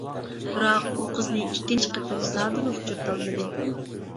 بىراق، ئۇ قىزنى ئىككىنچى قېتىم زادىلا ئۇچرىتالمىدى.